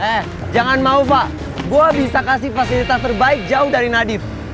eh jangan mau pak gue bisa kasih fasilitas terbaik jauh dari nadif